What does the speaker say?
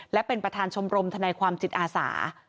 และเป็นประธานชมรมทนายความจิตอาสา